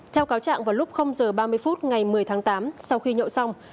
theo cáo trạng vào lúc h ba mươi phút ngày một mươi tháng tám sau khi nhậu xong